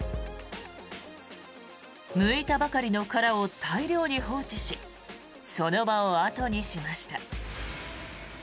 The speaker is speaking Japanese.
むいたばかりの殻を大量に放置しその場を後にしました。